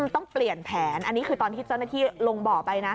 ต้องเปลี่ยนแผนอันนี้คือตอนที่เจ้าหน้าที่ลงบ่อไปนะ